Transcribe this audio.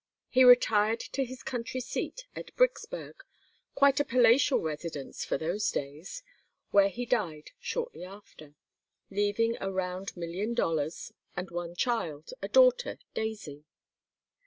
He retired to his country seat at Bricksburg, quite a palatial residence for those days, where he died shortly after, leaving a round million dollars and one child, a daughter, Daisy.